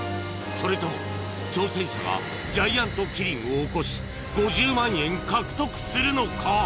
それとも挑戦者がジャイアントキリングを起こし５０万円獲得するのか？